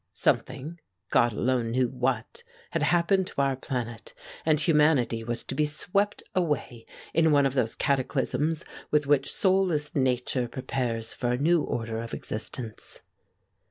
Something, God alone knew what, had happened to our planet, and humanity was to be swept away in one of those cataclysms with which soulless Nature prepares for a new order of existence.